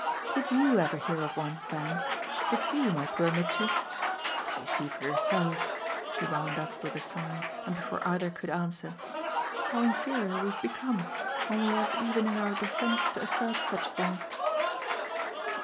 Did YOU ever hear of one, Van? Did you, my poor Mitchy? But you see for yourselves," she wound up with a sigh and before either could answer, "how inferior we've become when we have even in our defence to assert such things."